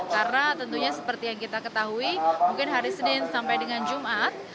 karena tentunya seperti yang kita ketahui mungkin hari senin sampai dengan jumat